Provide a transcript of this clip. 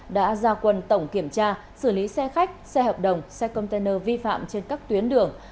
đã ra quần tổng kiểm tra xử lý xe khách xe hợp đồng xe container vi phạm trên các tuyến đường